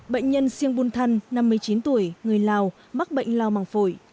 bệnh nhân siêng bùn thăn năm mươi chín tuổi người lào mắc bệnh lào màng phổi